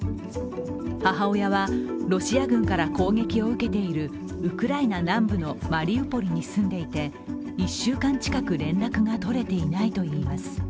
母親はロシア軍から攻撃を受けているウクライナ南部のマリウポリに住んでいて１週間近く連絡が取れていないといいます。